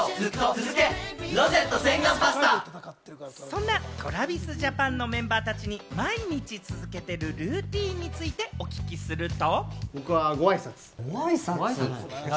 そんなＴｒａｖｉｓＪａｐａｎのメンバーたちに毎日続けているルーティンについてお聞きすると。